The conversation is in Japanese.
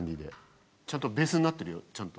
ちゃんとベースになってるよちゃんと。